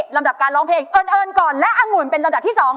ลำดับการร้องเพลงเอิ้นเอิ้นก่อนและอังวลเป็นลำดับที่สองค่ะ